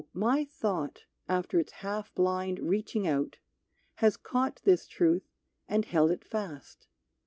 my thought After it's half blind reaching out has caught This truth and held it fast.